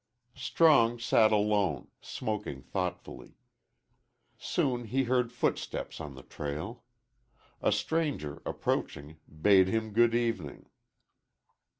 Strong sat alone, smoking thoughtfully. Soon he heard footsteps on the trail. A stranger, approaching, bade him good evening.